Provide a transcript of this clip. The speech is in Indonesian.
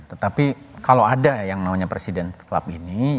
tetapi kalau ada yang namanya presiden klub ini